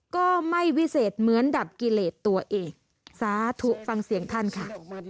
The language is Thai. ก็ไม่วิเศษเหมือนดับกิเลสตัวเองสาธุฟังเสียงท่านค่ะ